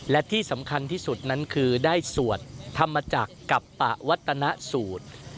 และที่สำคัญที่สุดนั้นคือได้สวดธรรมจักรกับปะวัตนสูตร